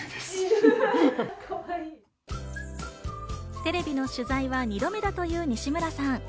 テレビの取材は２度目だという、にしむらさん。